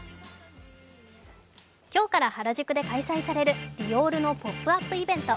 今日から原宿で開催されるディオールのポップアップイベント。